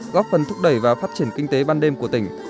góp phần thúc đẩy và phát triển kinh tế ban đêm của tỉnh